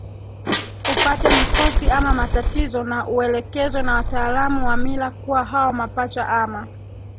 upate mikosi ama matatizo na uelekezwe na wataalamu wa mila kuwa hao mapacha ama